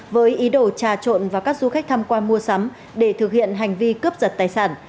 với ý đồ trà trộn và các du khách tham quan mua sắm để thực hiện hành vi cướp giật tài sản